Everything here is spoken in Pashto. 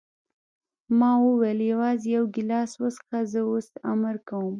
ما وویل: یوازې یو ګیلاس وڅښه، زه اوس امر کوم.